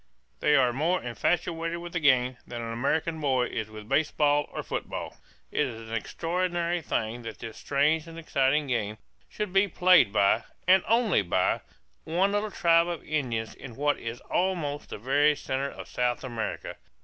They are more infatuated with the game than an American boy is with baseball or football. It is an extraordinary thing that this strange and exciting game should be played by, and only by, one little tribe of Indians in what is almost the very centre of South America.